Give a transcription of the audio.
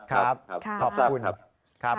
ใช่ครับครับ